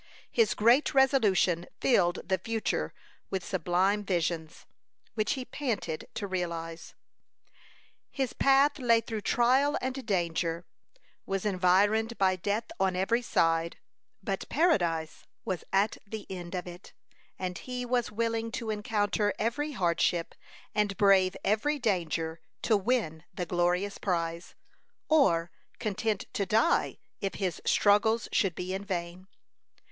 His great resolution filled the future with sublime visions, which he panted to realize. His path lay through trial and danger, was environed by death on every side; but paradise was at the end of it, and he was willing to encounter every hardship, and brave every danger, to win the glorious prize, or content to die if his struggles should be in vain.